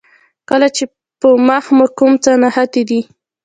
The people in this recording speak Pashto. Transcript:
کله چې په مخ مو کوم څه نښتي دي.